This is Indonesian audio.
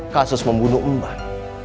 kasus membunuh umban